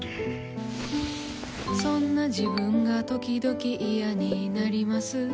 そんな自分がときどき嫌になります。